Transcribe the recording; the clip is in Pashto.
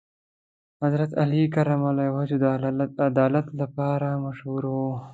حضرت علی کرم الله وجهه د عدالت لپاره مشهور و.